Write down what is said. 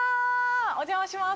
お邪魔します。